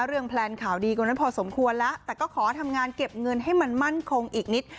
แพลนข่าวดีกว่านั้นพอสมควรแล้วแต่ก็ขอทำงานเก็บเงินให้มันมั่นคงอีกนิด